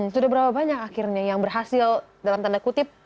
sudah berapa banyak akhirnya yang berhasil dalam tanda kutip